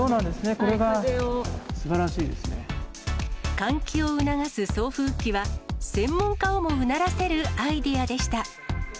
それはすば換気を促す送風機は、専門家をもうならせるアイデアでした。